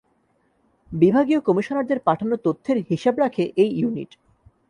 বিভাগীয় কমিশনারদের পাঠানো তথ্যের হিসাব রাখে এই ইউনিট।